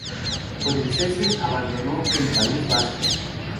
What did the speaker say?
Con el cese, abandonó el País Vasco.